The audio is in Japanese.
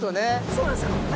そうなんですよ。